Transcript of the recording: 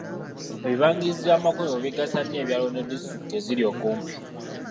Ebibangirizi by'amakolero bigasa nnyo ebyalo ne disitulikiti ezibiri okumpi.